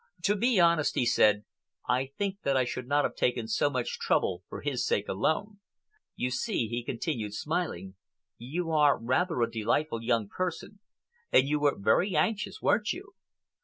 "To be honest," he said, "I think that I should not have taken so much trouble for his sake alone. You see," he continued, smiling, "you are rather a delightful young person, and you were very anxious, weren't you?"